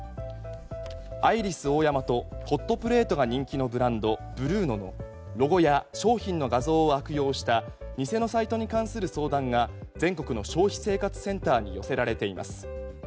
アイリスオーヤマとホットプレートが人気のブランドブルーノのロゴや商品の画像を悪用した偽のサイトに関する相談が全国の消費生活センターに寄せられています。